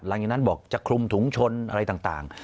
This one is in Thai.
หลังจากนั้นบอกจะคลุมถุงชนอะไรต่าง